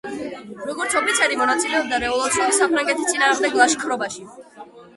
როგორც ოფიცერი, მონაწილეობდა რევოლუციური საფრანგეთის წინააღმდეგ ლაშქრობაში.